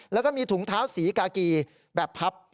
แล้วก็มีถุงเท้าสีกากีแบบพับ